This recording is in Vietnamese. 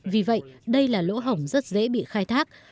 vì vậy đây là lỗ hỏng rất dễ bị khai thác